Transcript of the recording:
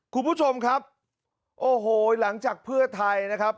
คุณผู้ชมครับโอ้โหหลังจากเพื่อไทยนะครับ